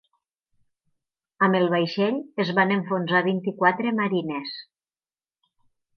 Amb el vaixell es van enfonsar vint-i-quatre mariners.